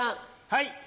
はい。